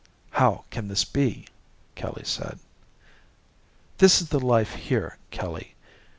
"How can this be?" Kelly said. "This is the life here, Kelly.